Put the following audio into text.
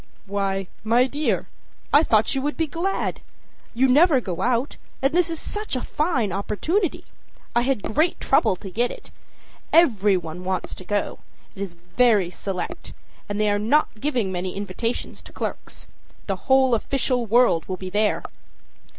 â âWhy, my dear, I thought you would be glad. You never go out, and this is such a fine opportunity. I had great trouble to get it. Every one wants to go; it is very select, and they are not giving many invitations to clerks. The whole official world will be there.